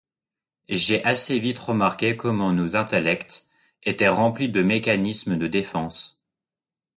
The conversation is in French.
J’ai assez vite remarqué comment nos intellects étaient remplis de mécanismes de défense.